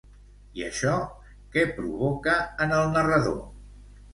I això què provoca en el narrador?